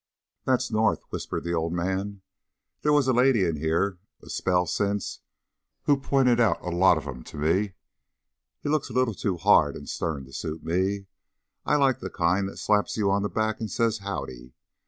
"That's North," whispered the old man. "There wuz a lady in here a spell since who pinted a lot of 'em out to me. He looks a little too hard and stern to suit me. I like the kind that slaps you on the back and says 'Howdy.'